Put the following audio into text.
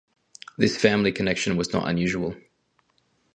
This family connection was not unusual.